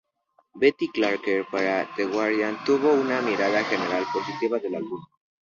Betty Clarke, para "The Guardian" tuvo una mirada general positiva del álbum.